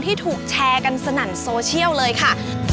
ที่ถูกแชร์กันสนั่นโซเชียลเลยค่ะ